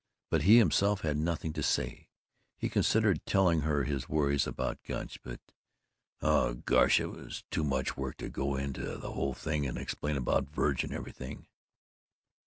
But he himself had nothing to say. He considered telling her his worries about Gunch, but "oh, gosh, it was too much work to go into the whole thing and explain about Verg and everything."